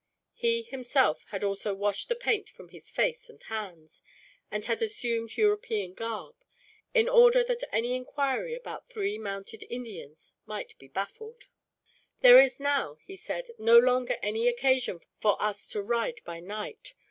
He himself had also washed the paint from his face and hands, and had assumed European garb, in order that any inquiry about three mounted Indians might be baffled. "There is now," he said, "no longer any occasion for us to ride by night.